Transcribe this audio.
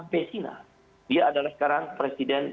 pesina dia adalah sekarang presiden